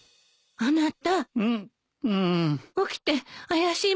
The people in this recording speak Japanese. あなた。